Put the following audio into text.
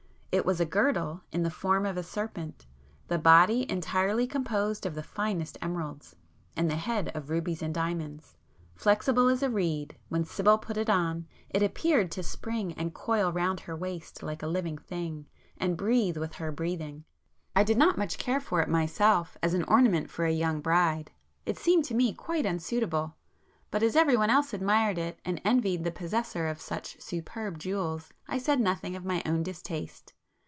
It was a girdle in the form of a serpent, the body entirely composed of the finest emeralds, and the head of rubies and diamonds. Flexible as a reed, when Sibyl put it on, it appeared to spring and coil round her waist like a living thing, and breathe with her breathing. I did not much care for it myself as an ornament for a young bride,—it seemed to me quite unsuitable,—but as everyone else admired it and envied the possessor of such superb jewels, I said nothing of my own distaste.